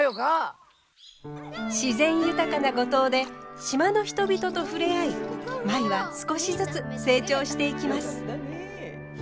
自然豊かな五島で島の人々と触れ合い舞は少しずつ成長していきます。